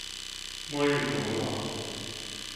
末日恐龍王